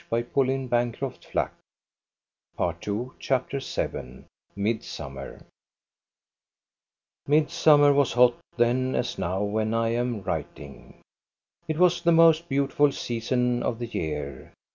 THE STORY OF GO ST A BE RUNG CHAPTER VII MIDSUMMER Midsummer was hot then as now when I am writing. It was the most beautiful season of the year.